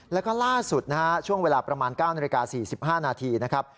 แล้วก็ล่าสุดนะฮะช่วงเวลาประมาณ๙นาฬิกา๔๕นาทีนะครับ